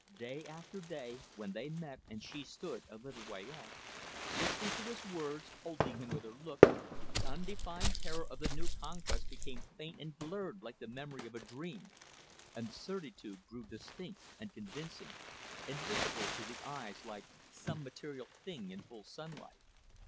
Day after day, when they met and she stood a little way off, listening to his words, holding him with her look, the undefined terror of the new conquest became faint and blurred like the memory of a dream, and the certitude grew distinct, and convincing, and visible to the eyes like some material thing in full sunlight.